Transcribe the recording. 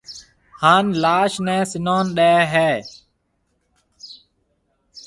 ھان لاش نيَ سنان ڏَي ھيََََ